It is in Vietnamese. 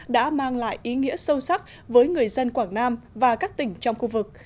đã mang lại ý nghĩa sâu sắc với người dân quảng nam và các tỉnh trong khu vực